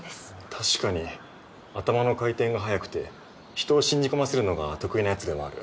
確かに頭の回転が速くて人を信じ込ませるのが得意なヤツではある。